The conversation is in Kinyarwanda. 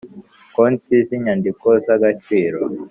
konti z inyandiko z agaciro